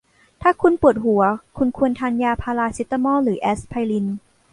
ถ้าคุณปวดหัว คุณควรทานยาพาราเซตามอลหรือแอสไพริน